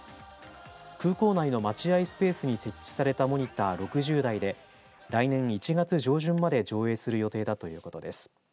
空港内の待合スペースに設置されたモニター６０台で来年１月上旬まで上映する予定だということです。